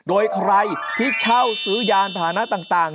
โดยใครที่เช่าซื้อยานพานะต่าง